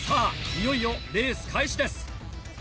いよいよレース開始です！